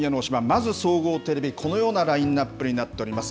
まず総合テレビ、このようなラインナップになっております。